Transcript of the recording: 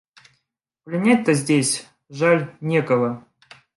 Пленять-то здесь, жаль, некого.